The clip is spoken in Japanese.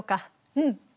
うん。